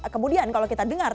kemudian kalau kita dengar